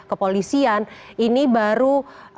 kepolisian ini baru